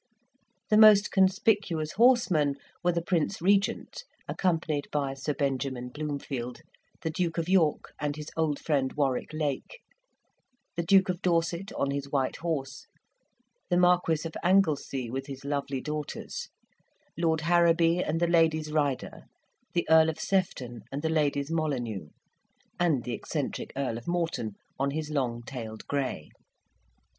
The most conspicuous horsemen were the Prince Regent (accompanied by Sir Benjamin Bloomfield); the Duke of York and his old friend, Warwick Lake; the Duke of Dorset, on his white horse; the Marquis of Anglesea, with his lovely daughters; Lord Harrowby and the Ladies Ryder; the Earl of Sefton and the Ladies Molyneux; and the eccentric Earl of Moreton on his long tailed grey.